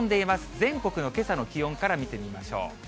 全国のけさの気温から見てみましょう。